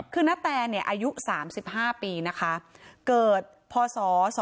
คือนะแต่เนี่ยอายุ๓๕ปีนะคะเกิดพศ๒๕๒๘